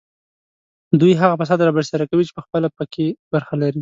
دوی هغه فساد رابرسېره کوي چې پخپله په کې برخه لري